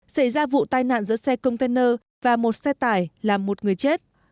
xảy ra vụ tai nạn giữa xe container và một xe tải làm một người chết